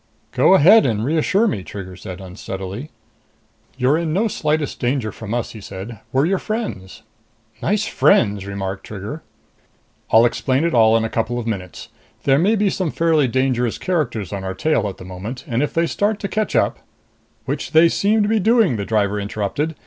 "Go ahead and reassure me," Trigger said unsteadily. "You're in no slightest danger from us," he said. "We're your friends." "Nice friends!" remarked Trigger. "I'll explain it all in a couple of minutes. There may be some fairly dangerous characters on our tail at the moment, and if they start to catch up " "Which they seem to be doing," the driver interrupted.